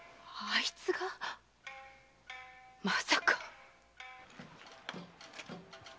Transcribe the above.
あいつが⁉まさか！